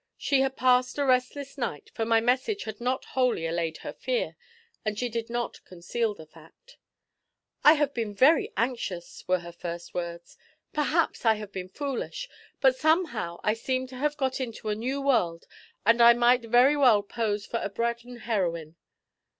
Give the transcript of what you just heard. She had passed a restless night, for my message had not wholly allayed her fear, and she did not conceal the fact. 'I have been very anxious,' were her first words. 'Perhaps I have been foolish, but somehow I seem to have got into a new world, and I might very well pose for a Braddon heroine.